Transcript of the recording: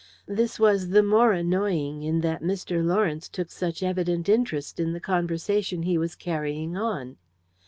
This was the more annoying in that Mr. Lawrence took such evident interest in the conversation he was carrying on.